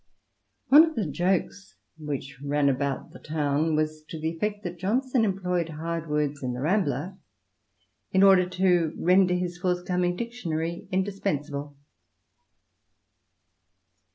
One of the jokes which ran about the town was to the effect that Johnson employed hard words in the RambUr xvi INTRODUCTION. in order to render his forthcoming Dictionary indispensable.